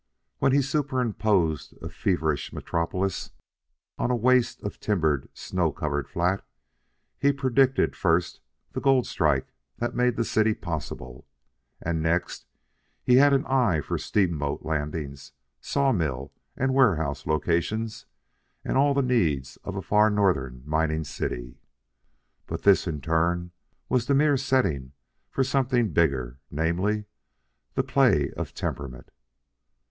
When he superimposed a feverish metropolis on a waste of timbered, snow covered flat, he predicated first the gold strike that made the city possible, and next he had an eye for steamboat landings, sawmill and warehouse locations, and all the needs of a far northern mining city. But this, in turn, was the mere setting for something bigger, namely, the play of temperament.